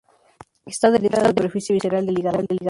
Está adherida a la superficie visceral del hígado.